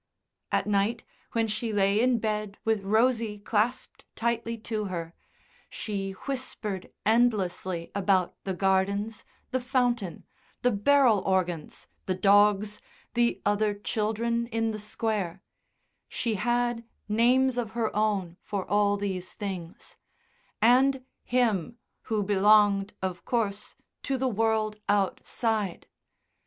At night when she lay in bed with Rosie clasped tightly to her, she whispered endlessly about the gardens, the fountain, the barrel organs, the dogs, the other children in the Square she had names of her own for all these things and him, who belonged, of course, to the world outside....